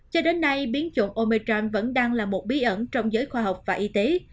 cho đến nay biến chủng omecham vẫn đang là một bí ẩn trong giới khoa học và y tế